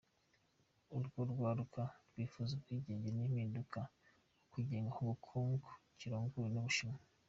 Urwo rwaruka rwipfuza ubwigenge n’impinduka k’ukungene Hong Kong kirongowe n’Ubushinwa.